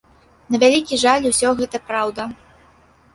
На вялікі жаль, усё гэта праўда.